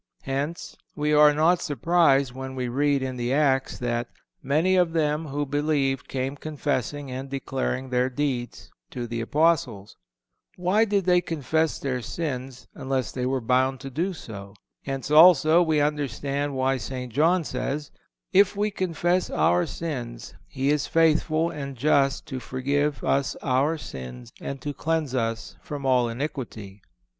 Hence, we are not surprised when we read in the Acts that "Many of them who believed came confessing and declaring their deeds"(443) to the Apostles. Why did they confess their sins unless they were bound to do so? Hence, also, we understand why St. John says: "If we confess our sins, He is faithful and just to forgive us our sins and to cleanse us from all iniquity."